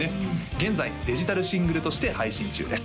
現在デジタルシングルとして配信中です